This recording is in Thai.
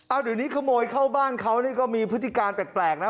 เอาเดี๋ยวนี้ขโมยเข้าบ้านเขานี่ก็มีพฤติการแปลกนะ